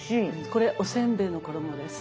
これおせんべいの衣です。